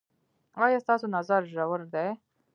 ایا ستاسو نظر ژور دی؟